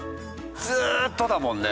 ずーっとだもんね。